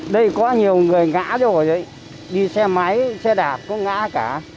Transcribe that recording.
đây có nhiều người ngã rồi đi xe máy xe đạp cũng ngã cả